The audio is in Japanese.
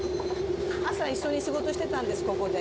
朝一緒に仕事してたんです、ここで。